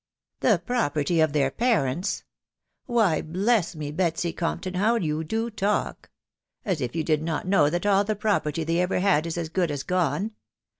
" The property of their parents !.•.• Why, bless me, Betsy Compton, how you do talk !.... as if you did not know that all the property they ever had is as good as gone.